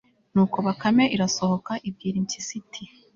nuko bakame irasohoka ibwira impyisi iti